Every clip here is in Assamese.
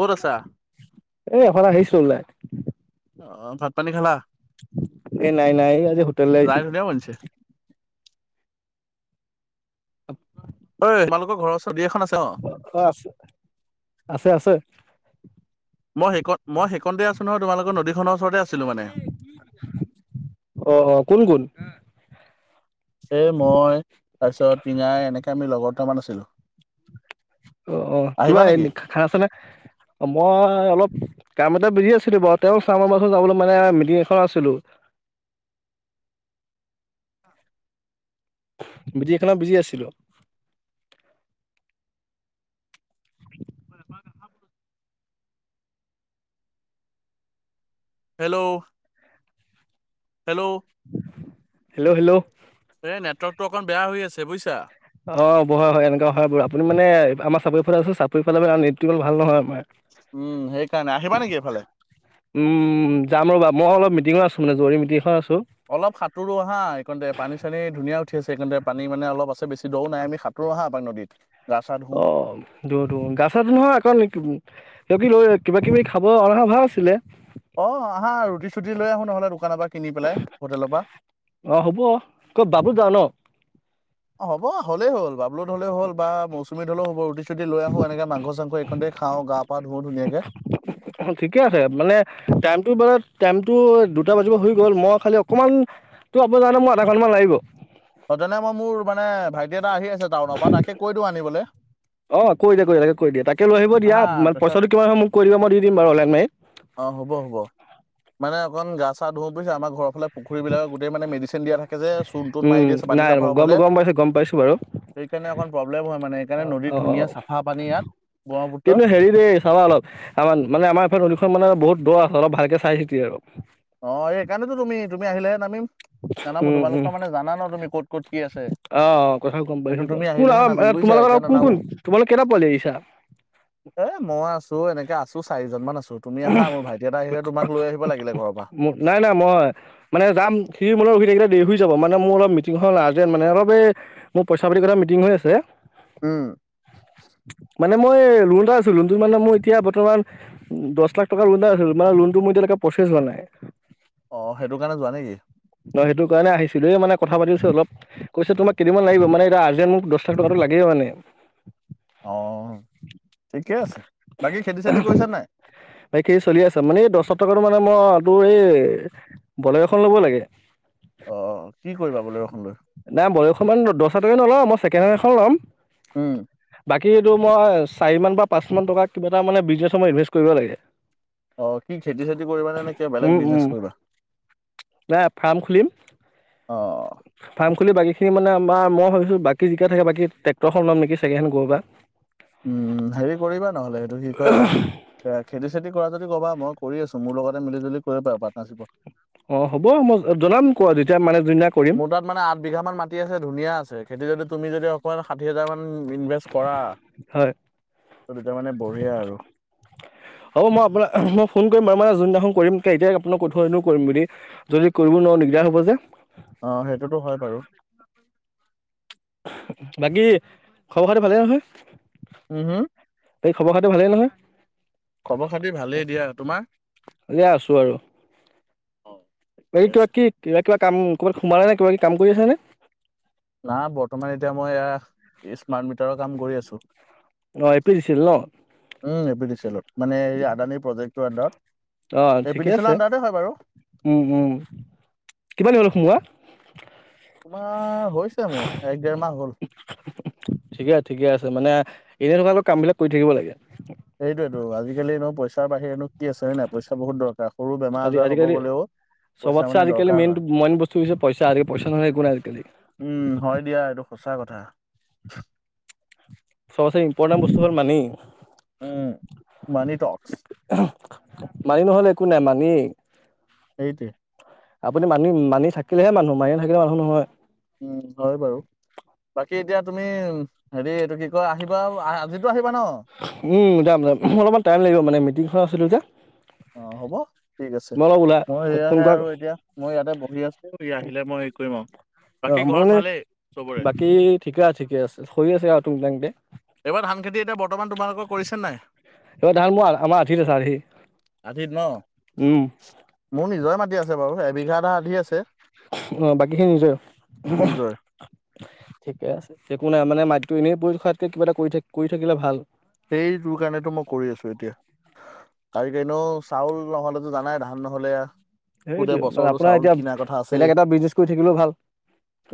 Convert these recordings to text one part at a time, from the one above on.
ক'ত আছা? হেল্ল' এ অকণ আহিছোঁ ওলায়। অ' অ' ভাত পানী খালা? এ নাই নাই আজি হোটেললৈ জাই আহিছিলোঁ। ধুনীয়া বনিছে। [unintelligible] ঐ তোমালোকৰ ঘৰৰ ওচৰ অ' আছে আছে আছে। মই হেইকণ মই হেইকণতে আছোঁ নহয়, তোমালোকৰ নদীখনৰ ওচৰতে আছিলোঁ মানে। অ' অ' কোন কোন এ মই তাৰপিছত পিঙাই এনেকে আমি লগৰ দুটামান আছিলোঁ। অ' অ' কিবা এনে খানা চানা? অ' মই অলপ, কাম এটাত বিজি আছিলোঁ বাৰু, তেওঁ চাম ৰ'বাচোন যাবলৈ, মানে মিটিং এখনত আছিলোঁ। [inaudible] মিটিং এখনত বিজি আছিলোঁ। Hello. Hello hello hello. Network টো অকণ বেয়া হৈ আছে বুইছা। অ' বহা হয় এনেকুৱা হয় বাৰু! আপুনি মানে আমাৰ চাপৰিৰ ফালে আছে, চাপৰি ফালে নেটতো ইমান ভাল নহয়। উম, সেইকাৰণে আহিবা নেকি এইফালে? উম যাম ৰ'বা, মই অলপ মিটিংত আছোঁ। মানে জৰুৰী মিটিং এখন আছে। অলপ সাঁতোৰো আহা! এইকণতে পানী চানী ধুনীয়া উঠি আছে এইকণতে। পানী মানে অলপ আছে, বেছি দওঁ নাই। আমি সাঁতোৰো আহা এপাক নদীত। গা চা ধো। অ', দ'টো গা-ছা ধুম নহয় অকৌ [unintelligible] কিবা কিবি লৈ, কিবা কিবি খাব অনা হয় ভাল আছিলে। অ' আহা! ৰুটি চুটি লৈ আহোঁ নহ'লে দোকানৰ পৰা কিনি পেলাই হোটেলৰ পৰা। অ হ'ব ক'ত বাবুত যাওঁ ন অ', হ'ব হ'লেই হ'ল বাবলুত হ'লেও হ'ল বা মৌচুমীত হ'লেও হ'ব। ৰুটি চুটি লৈ আহোঁ, এনেকে মাংস চাংস [unintelligible] খাওঁ গা পা ধুওঁ ধুনীয়াকে ঠিকে আছে মানে টাইমটো, বাট টাইমটো দুটা বাজিব হৈ গ'ল। মই খালি অকমান তো [unintelligible] মোৰ আধা ঘণ্টা মান লাগিব। অ' তেনে মই মোৰ মানে ভাইটি আহি আছে টাউনৰ পৰা তাকে কৈ দিওঁ আনিবলৈ অ কৈ দিয় কৈ দাকে কৈিয়া তাকে লৈ আহিব দিয়া আহা ম তাৰপিছত পইচাটো কিমান হয়য় মোক কৈ দিব মই দিম বাৰু অনলাইন মত অ হ'ব হ'ব মানে গা ধু প পৰিছে আমাৰ ঘৰ ফাল পুখুৰী বিাক গোট মে মেডচিন দিয়া থে যে চ তন উম মাৰিিয়ে নাই গম গম পাইছোঁ গম পাইছোঁ বাৰু সেইকাৰণে অকণ প্ৰব্লেম হয় মানে অ সেইকাৰণে নদী অ অ ধুনীয়া চাফা পানী ইয়াত ব্ৰহ্মপুত্ৰ কিন্তু হেৰি দেই চাবা অলপ আমাৰ মানে আমাৰ ইফ খন মান বহুত ত দ আ অলপ ভালকে চাই চিতিি আৰু অ এইেইকাৰণেতো তুমি তুমি আহিলেহে নামিম জানা মো উম উম তোমালোকৰ মানে জানা ন তুমি ক'ত ক'ত কি আছে অ কথা গম সেইটো পাইছো তুমি বাৰু কোন আহিলেহে নামিম অ বুজিছা তোমালোকৰ এতিয়া আৰু কোন নানামো কোন তোমালোকৰ কেইটা পোৱালি আহিছা এ মই আছো এনেকে আছো তো চাৰিজনমান আছো তুমিা মোৰ ভাইি এটা আহিলে তমাক লৈ আহিব লাগিলে ঘৰৰ পৰা নাই নাই মই মানে যাম শ মল ৰখি থাকিলে দেৰি হৈ যাব মানে মোৰ অলপ মিটিংখন আৰ্জেণ্ট মানে অলপ এই মোৰ পইচা পাতি কথা মিটিং হৈ আছে উম মানে মই লণ এটা আছোঁ লণটো মানে মোৰ এতিয়া বৰ্তমান দহ লাখ টকাৰ লোন এটা আছিল মানে লোনটো মোৰইতিয়ালকে প্ৰচেছ হোৱা নাই অ সেইটো কাৰণে যোৱা নেকি অঁেইটো কাৰণেিছিলো দ মান কথাাতিছো অল কৈছে তোাক কিিনমান লাগিব মানেতিয়া আৰ্জণ্ট মোক দহ লখ টকাটো লাগেইে মানে অ ঠিকে আছে বাকী খেতি চেতি কৰিছো নাই ব কি চলি আছা মানে এই দহশ টকাাতো মানে মই তোৰ এই বলেগ এখন ল'ব লাগে অ কি কৰিবা বলেৰ'খন লৈ? নাই বয়সষমান দহ হ কে নলওঁ মই ছেকেণ্ড হেণ্ড এখন ল'ম উম বাকী এইটো মই চাৰি মমান বা পাঁচ মান টকা কিবা এটা মানে বিজনেছসমত ইনভেষ্ট কৰিব লাগে অ কি খেতি চেতি কৰিব নে নে কিবা উম বেলেগ উম বিজনেচ কৰিবা নাই ফাৰ্ম খুলিম অ। ফাৰ্ম খুলি বাকী সি মানে আম মই ভাবিছো বাকী জিকা থাকে বাকী ট্ৰে্ৰনলাম নেকি চাগে গ'া উম হেৰি কৰিবা নহ'লে এইটো কি কয় খেতি চেতি কৰা যদি ক'বা মই কৰি আছো মোৰ লগতে মিল জুলি কৰিব পাৰ পাৰ্টনাৰশ্বিপত অ হ'ব মই জনাম কোৱা যেতিয়া মানে যোনদিনা কৰিম মোৰ তাত মানে আঠ বিঘা মান মাটি আছে ধুনীয়া আছে খেতি যদিুমি যদি অকণমান ষাঠি হাজাৰ মান ইনভেষ্ট কৰা হয় তেতিয়া মানে বঢ়িয় আৰু হ'ব মই আপোনাক মই ফোন মানে যোননাখোন কৰিম এতিয়া আপোনাক কঠো কৰিম বুলি যদি কৰিব ন নিগদাৰ হব যে আহ সেইটোতো হয় বাৰু বাকী খবৰ খাটো ভালেই নহয় উম হম এই খবৰ খাটো ভালেই নহয় খবৰ খাতিৰ ভালেই দিয়া তোমাৰ এয়া আছোঁ আৰু ঠিকে কিবা আছে। কি কিবা কিবা কাম কৰবাত সোমাল নাই নে কিবা ক কাম কৰি আছে নে না বৰ্তমান এতিয়া মই এয়া স্মাৰ্ট মিটাৰৰ কাম কৰি আছো। অ' A P D C L ন উম এপিদিছি এলত মানে এই আদানী প্ৰজেক্টটোৰ আন্দাৰত অ' ঠিকে আছে উম উম কমানা হ'লো সোমোৱা তোমাৰ হৈছে মোৰ এক দেৰ মাহ হ'ল ঠিকে ঠিকে আছে মানে এনে ধৰকা অলপ কাম বিলাক কৰি থাকিব লাগে সেইনো কি আছে হয় নে নাই পইচা বহুত দৰকাৰ সৰু বেমাৰ আজি আজাৰ হব আজিকালি গ'লেও পইচা চবতছে মানে আজিকালি দৰকাৰ মন হয় মন বস্তু হৈছে পইাে পইচা নহয় একো নাই আজিকালি উম হয় দিয়া এইটো সঁচা কথা। সবচে ইম্পৰ্টেণ্ট বস্তু হল মানি উম মানি টকচ মানি নহ'লে একো নাই মানিয়েই সেইটোৱেই আপুনি মানি মানি থাকিলেহে মানুহ মানি নাথাকিলে মানুহ নহয়। কি এতিয়া তুমি হেৰি এইটো কি কয় আহিবা আজিটো আহিব উম যাম যাম মোৰ অলপমান টাইম লাগিব মানে মিটিংখনত আছিলো যে অ হ'ব ঠিক আছে। মই অলপ ওলাই মই ক'ত ফোন এয়াহে কৰা আৰু এতিয়া মই ইয়াতে বহি আছো সি আহিলে মই হেৰি কৰিম আৰু। বাকী অ' মোৰ ঘৰত মানে ভালেই চবৰে? বাকী ঠিকে আছে ঠিকে আছে হৈ আছে আৰু তুং তাং কে এইবাৰ ধান খেতি এতিয়া বৰ্তমান তোমালোকৰ কৰিছে নাই। এইবাৰ ধান মোৰ আমাৰ আধিত আছে আধি আধিত ন উম মোৰ নিজৰে মাটি আছে। আধিত বাৰু এবিঘা এটা আধি আছে অ' বাকীখিনি নিজৰ নিজৰে। ঠিকে আছে একো নাই মানে মাতিটো এনেই পৰি থকাতকৈ কিবা এটা কৰি থ কৰি থাকিলে ভাল। সেইতো কাৰণেতো মই কৰি আছো এতিয়া কাৰি এনেও চাউল নহ'লেতো জানাই ধান নহলে আ সেইটোৱে মানে আপোনাৰ এতিয়া আছেই। বেলেগ এটা বিজনেচ কৰি থাকিলেও ভাল।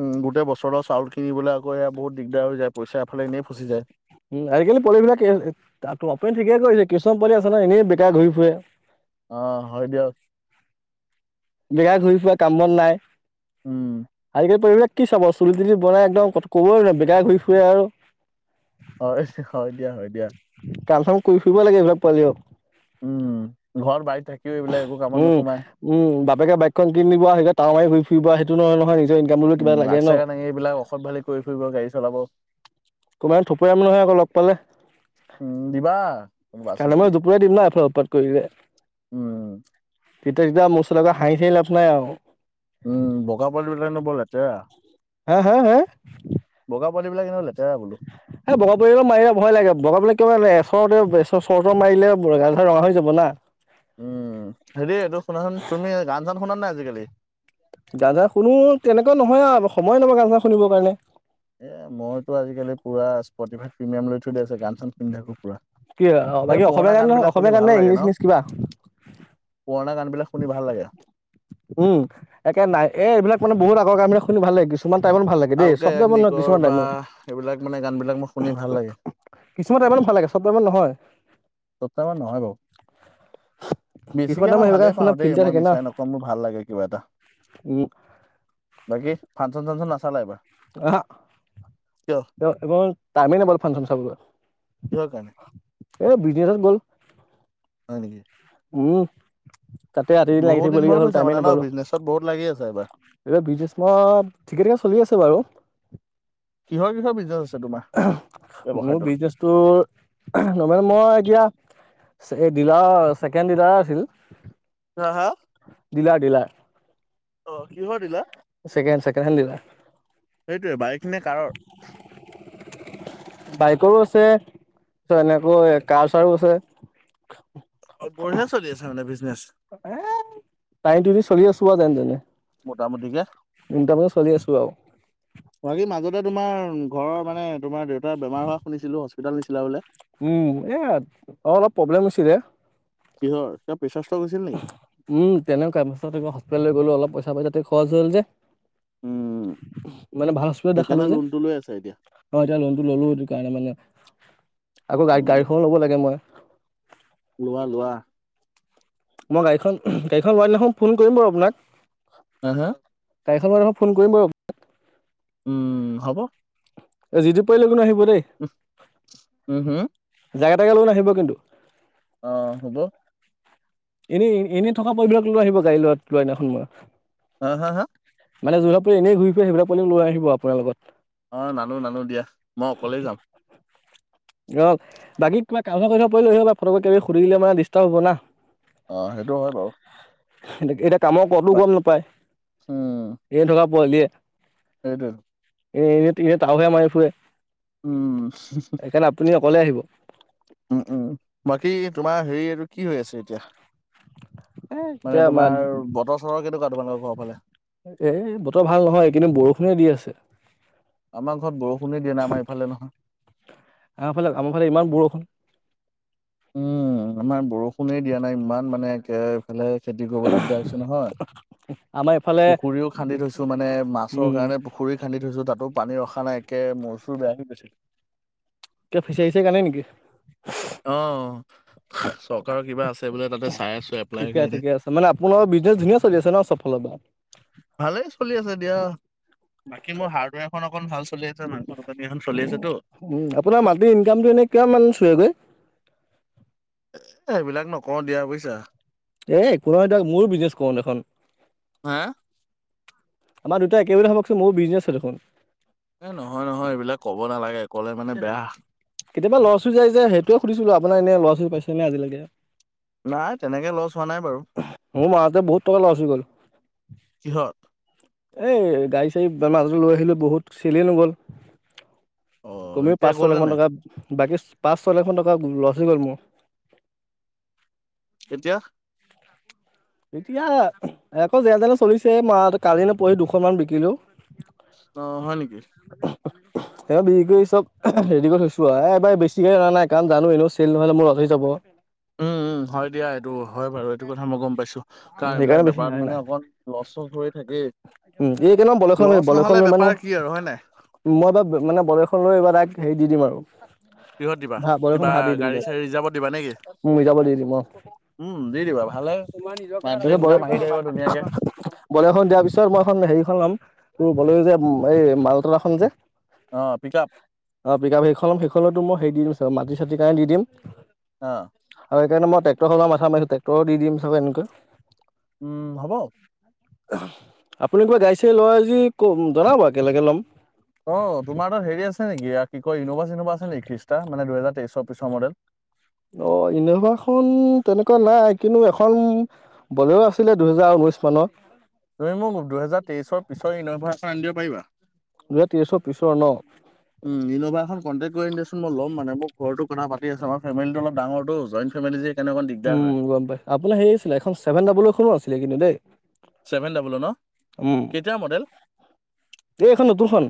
উম গোটেই বছৰৰ চাউলকিনিবলৈ আকৌ এয়া বহুত দিগদাৰ হৈ যায় পইচা এফালে এনেই ফচি যায়। উম আজিকালি পোৱালিবিলাক ত আপুনি ঠিকে কৰিছে কিছুমান পুুৱালি আছে নহয় এনেই বেকাৰ ঘূৰি ফুৰে। অ' হয় দিয়ক বেকাৰ ঘূৰি ফুৰা কাম বন নাই উম, আজিকালি পৰিবেশ। কি চাব চুলি তুলি বনাই একদম ক ক'বই ন বেকাৰ ঘূৰি ফুৰে আৰু। হয় হয় দিয়া হয় দিয়া। কাম চাম কৰি ফুৰিব লাগে এইবিলাক পোৱালিও। উম ঘৰ বাইক উম উম বাপেকে বাইকখন কিনি দিব সেইয়া তাও মাৰি ঘুৰি ফুৰিব সেইটো নহয় নহয় নিজৰ ইনকাম বুলিও কিবা উম লাগে আগ ন। চকা ডাঙি এইবিলাক অসভ্যালি কৰি ফুৰিব গাড়ী চলাব কবাত থপৰীয়াম নহয় আকৌ লগ পালে উম, দিবা কোনোবা আছে কানে যদি। মুৰে জপটিয়াই দিম ন এফালে উৎপাত কৰিলে উম। তেতিয়া তেতিয়া মোৰচলাকৈ হাঁহি চাঁহি লাভ নাই আৰু। উম বোকাপল বিলাক হেনো বৰ লেতেৰা হা হা হা গাৱৰ পোৱালিবিলাক কিললে এই বগা বল মাৰিলে ভয় লাগে বগা বিলাক কিকাৰনে লৈ আছ ওচৰতে চৰ তৰ মাৰিলে গাল চাল ৰঙা হৈ যাব না উম হেৰি এইটো শুনাচোন তুমি গান চান শুনা নাই আজিকালি গান চান শুনো তেনেকৈ নহয় আৰু সময় নহয় গান চান শুনিবৰ কাৰণে এ মইতো আজিকালি পুৰা স্পটিফাইড প্ৰিমিয়াম লৈ থৈ দিয়া আছে গান চান শুনি থাকো পুৰা। কি অ' এই বাকী অসমীয়া পুৰণা গান বিলাক শুনি অসমীয়া গান ভাল নে লাগে ইংলিছ ন চিংলিছ কিবা পুৰণা গান। উম, একে নাই এ এইবিলাক মানে বহুত আগৰ কামবিলাক শুনি ভাল লাগে কিশো কিছুমান টাইমত ভাল লাগে দেই আলকা চব টাইমত নহয় য়াগনিকৰ কিছুমান বা টাইমত। এইবিলাক মানে গানবিলাক মোৰ শুনি ভাল লাগে। কিছুমান টাইমত ভাল লাগে চব টাইমত নহয়। চব টাইমত নহয় বাৰু কিছুমান বেছিকে টাইমত মই সেইবিলাক গান ভালেই শুনা পাও। দেই ফিল্টাৰ মই থাকে না মিছাই নকও মোৰ ভাল লাগে কিবা এটা উম বাকী। ফাংচন চাংচন নাচালে এইবাৰ। অহঅ। কিয় তাৰ টাইমেই নাপালো ফাংচন চাবলৈ। কিহৰ কাৰণে এ ব্ৰিটেনত গ'ল। হয় নেকি উম, তাতে ৰাতিদিন লাগি বহুত দিন বৰ থাকিবলগীয়া হ'ল পইছা টাইমেই মানে ন নাপালো। বিজনেছত বহুত লাগি আছে এইবাৰ এইবাৰ বিজনেছ ঠিকে-ঠাকে চলি আছে বাৰু। কিহৰ - কিহৰ বিজনেছ আছে তোৰ। মোৰ বিজনেচটো মই এতিয়া এই ডিলাৰ ছেকেণ্ড ডিলাৰ হা হা দিলাৰ -দিলাৰ অ, কিহৰ dealer? Second - second hand dealer. সেইটোৱে বাইক নে কাৰৰ। বাইকৰো আছে এনেকৈ কাৰ চাৰো আছে। অ, বঢ়িয়া চলি আছে মানে বিজনেছ। এ টানি টুনি চলি আছো আৰু যেনে তেনে। মোটামুটিকে ইনকামে চলি আছো আৰু বাকী মাজতে তোমাৰ ঘৰ মানে তোমাৰ দেউতাৰ বেমাৰ হোৱা শুনিছিলো হস্পিতোল নিছিলা বোলে। উম, এয়া অ, অলপ প্ৰব্লেম হৈছিলে। কিহৰ? প্ৰেচাৰ ষ্ট্ৰক হৈছিল নেকি উম, তেনেকুৱা পছত হস্পিতেললৈ লৈ গ'লো অলপ পইচা পইচাতে খৰচ হ'ল যে। উম মানে ভাল হস্পিতেলত দেখালো সেইকাৰণে যে। লোনটো লৈ আছা এতিয়া অ, এতিয়া লোনতটো ললো সেইটো কাৰণে মানে। আকৌ গাড়ী - উম গাড়ীখন ও লব লাগে মই। লোৱা - লোৱা। মই গাড়ীখন গাড়ীখন লোৱা দিনাখন ফোন কৰিম বাৰু আপোনাক হা হা গাড়ীখন লোৱা দিনাখন ফোন কৰিম বাৰু আপোনাক উম, হ'ব। যিটো পাৰিলে ন আহিব। দেই উম - উম হম। জাকে তাকে লৈ নাহিব কিন্তু। অ, হ'ব। এনেই - এনেই থকা পৰিবিলাক লৈ আহিব গাড়ী ল'ৰা লোৱা এদিনাখন মই। আহ, হা - হা। মানে এনেই ঘূৰি ফু সেইিলাকালি লৈ আহিব আপোনাৰ লগত। অ, নানো - নানো দিয়া মই অকলেই যাম। অ, বাকী কিবা কাা ক থা পৰি লৈ আহা ফ কিবিুৰি দিলে মানে ডিষ্টাৰ্ব হব না। অ, সেইটো হয় বাৰু। এ - এতিয়া কামৰ কবটো বাক গম নাপায় এ থকা পোৱালিয়ে। এইটোৱে। এনে - এনে এনেই তাহহে মাৰি ফুৰে। উম, সেইকাৰণে আপুনি অকলে আহিব। উম উম বাকী তোমাৰ হেৰি এইটো কি হৈ আছে এতিয়া? এ এতিয়া মানে আমাৰ তোমাৰ বতৰ চতৰ কেনেকুৱা তোমালোকৰ ঘৰৰ ফালে? এ বতৰ ভাল নহয়, এই কেইদিন বৰষুণে দি আছে। আমাৰ ঘৰত বৰষুণে দিয়া নাই, আমাৰ এইফালে নহয়। ইফালে ইমান বৰষুণ। উম, আমাৰ বৰষুণে দিয়া নাই, ইমান মানে একে সেইয়া খেতি কৰিব দিগদাৰ হৈছে নহয়। আমাৰ এইফালে পুখুৰীও খান্দি থৈছো, মানে মাছৰ উম কাৰণে পুখুৰী খান্দি থৈছো তাত। ত পানী ৰখা নাই একে মোৰ চুৰ বেয়া হৈ গৈছিল। কিবা ফিচাৰী কাৰণে নেকি? অ চৰকাৰৰ কিবা আছে বোলে, তাতে চাই আছো এপ্লাইৰ ঠিকে কাৰণে। ঠিকে আছে মানে আপোনালোকৰ বিজনেছ ধুনীয়া চলি আছে ন চব ফালৰ পৰা। ভালে চলি আছে দিয়া, বাকী মোৰ হাৰ্ডৱেৰ খন অকন ভাল চলি আছে মা উম, আপোনাৰ মাটিৰ ইনকামটো এনেই কিমান মান চুৱেগৈ। এ এইবিলাক নকওঁ দিয়া বুজিছা। এ একো নহয় দিয়ক, মোৰ বিজনেচ কৰা নাই দেখোন। হা আমাৰ দুটাই একেই ভাবকচোন মোৰো বিজনেছ দেখোন। এ নহয় নহয় এইবিলাক ক'ব নালাগে ক'লে মানে বেয়া। কেতিয়াবা লছ হৈ যায় যে সেইটোৱে সুধিছিলোঁ, আপোনাৰ এনে ল'ছ হৈ পাইছেনে আজিলৈকে নাই তেনেকে লছ হোৱা নাই বাৰু মোৰ মাহতে বহুত টকা লছ হৈ গ'ল। কিহত? এই গাড়ী-চাড়ী মাজলৈ লৈ আহিলোঁ বহুত চেলে নগ'ল। অ কমেও এতিয়া পাঁচ ছয় লাখ গ'লনে মান নাই টকা বাকী পাঁচ ছয় লাখ মান টকা লচ হৈ গ'ল মোৰ। এতিয়া এতিয়া আকৌ যে যেনে-তেনে চলিছে, মাহত কালি নো বহি দুশন মান বিকিলো। অ' হয় নেকি? চব বিক্ৰী কৰি চব ৰেডি কৰি থৈছোঁ, এ এবাৰ বেছিকে অনা নাই কাৰণ জানোঁ এনেও চেল নহ'লে মোৰ অথলে যাব। উম' উম' হয় দিয়া। এইটো হয় বাৰু এইটো কথা মই গম পাইছোঁ কাৰণ এইবিলাক বেপাৰত মানে অকণ লছ চছ হৈ থাকেই উম' এই কেইদিন বলেৰখন লম, লছ নহ'লে বলেৰখন লম বেপাৰ কি আৰু হয় নাই নহয় মই এইবাৰ মানে বলেৰখন লৈ, এইবাৰ ডাইৰেক্ট হেৰি দি দিম আৰু কিহত দিবা ভা কিবা বলেৰখন ভাড়া দি দিম গাড়ী দে, চাড়ী ৰিজাৰ্ভত দিবা নেকি উম' ৰিজাৰ্ভ দি দিম অ'। উম দি দিবা ভালে তোমাৰ মান্থলি নিজৰ ইনকাম আহি থাকিব ধুনীয়াকে বলেৰখন তাৰ পিছত মইখন হেৰিখন লম তোৰ বলেৰখন যে এই মালতনাখন যে। অ পিক আপ অ' পিকাপ সেইখন, সেইখনতো মই হেৰি দি দিম মাটি-চাটি কাৰণে দি দিম। অ' কিয়নো মই টেক্টৰখন মাথা মাৰিছোঁ, টেক্টৰ দিম চাগে এনেকৈ। উম, হ'ব। আপুনি কিবা গাড়ী ছাৰী লয় আজি ক' জনাব একেলগে ল'ম। অ, তোমাৰ তাত হেৰি আছে নেকি ইয়া কি কয় ইন'ভা- চিন'ভা আছে নেকি খ্ৰীষ্টা দুহেজাৰ তেইছৰ পিছৰ মডেল? অ, ইন'ভাখন তেনেকুৱা নাই কিন্তু এখন বলেৰু আছিলে দুহেজাৰ ঊ [unintelligible] তুমি মোক দুহেজাৰ তেইছ পিছৰ ইউনিভাৰ এখন আনি দিব পাৰিবা? দুহেজাৰ তেইছৰ পিছৰ ন? কন্তেক কৰিম দেচোন মই মানে মোক ঘৰটো কথা পাতি আছে আমাৰ ফেমেলিটো অলপ দাঙৰটো জইন ফেমিলি যে সেইকাৰণে অকণ দিগদাৰ উম, হয়। গম পাই আপোনাৰ হেই আছিলে এখন ছেভেন ডাব্লুখনো আছিলে কিন্তু দে। ছেভেন ডাবুলৰ ন? উম, কেতিয়াৰ মডেল? এ-এখন নতুন খন।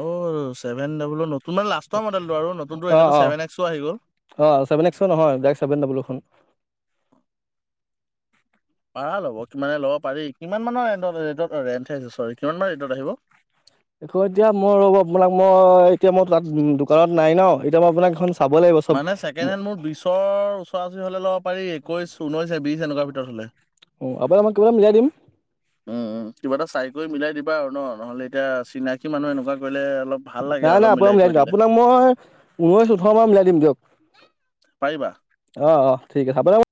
অ, ছেভেন ডাব্লৰ নতুন মানে লাষ্টৰ মডেলটো আৰু নতুনতো অ এতিয়াটো অ ছেভেন এক্সো আহি গ'ল। অ, ছেভেন এক্স নহয় ডাইৰেক ছেভেন ডাব্লো খন। [inaudible] পাৰা ল'ব মানে ল'ব পাৰি কিমান মানৰ ৰে ৰেট চৰি কিমানান ৰেটত আহিব এই খন এতিয়া মই ৰ'ব আপোনাক মই এতিয়া মই তাত দোকানত নাই ন এতিয়া মই আপোনাক এখন চ মানে ছেকেণ হেণ্ড মোৰ বিচৰ ওচৰা ওচৰি হ'লে অলপ পাৰি একৈশ ঊনৈশে বিশ এনেকুৱা ভিতৰত হলে অ আপোনাক মই কিবা এটা মিলাই দিম উম কিবা এটা চাই কৰি মিলাই দিম আৰু নহ'লে এতিয়া চিনাকি মানুহ এনেকুৱা কৰিলে অলপ ভাল লাগে আৰু নাই নাই অলপ আপোনাক মিলাই উলিয়াই কৰি দিম দিলে, আপোনাক মই ঊনৈশ ওঠৰ মান উলিয়াই দিম দিয়ক পাৰিবা? অ -অ ঠিক আছে আপ